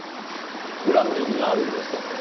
裏の意味があるんですか？